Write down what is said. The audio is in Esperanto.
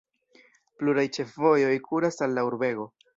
Pluraj ĉefvojoj kuras al la urbego.